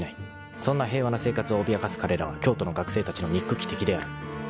［そんな平和な生活を脅かす彼らは京都の学生たちのにっくき敵である］